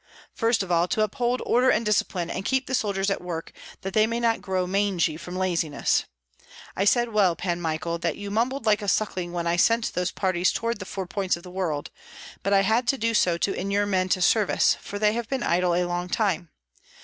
"First of all to uphold order and discipline, and keep the soldiers at work, that they may not grow mangy from laziness. I said well, Pan Michael, that you mumbled like a suckling when I sent those parties toward the four points of the world; but I had to do so to inure men to service, for they have been idle a long time.